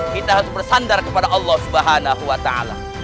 kita harus bersandar kepada allah subhanahu wa ta'ala